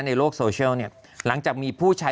ในโลกโซเชียลเนี่ยหลังจากมีผู้ใช้